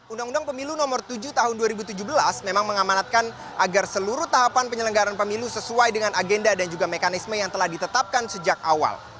undang undang pemilu nomor tujuh tahun dua ribu tujuh belas memang mengamanatkan agar seluruh tahapan penyelenggaran pemilu sesuai dengan agenda dan juga mekanisme yang telah ditetapkan sejak awal